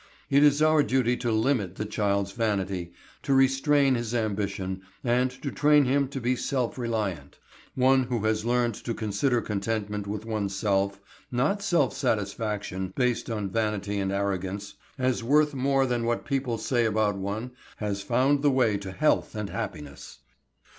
It is our duty to limit the child's vanity, to restrain his ambition, and to train him to be self reliant. One who has learned to consider contentment with oneself not self satisfaction based on vanity and arrogance as worth more than what people say about one has found the way to health and happiness.